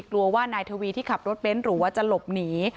กลัวว่านายทวีที่ขับรถเบ้นหรือว่าจะหลบหนี